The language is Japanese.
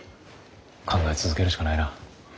考え続けるしかないな。